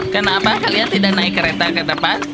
kenapa kalian tidak naik kereta ke depan